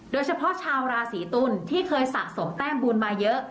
โดยเฉพาะชาวราศีตุลที่เคยสะสมแต้มบุญมาเยอะ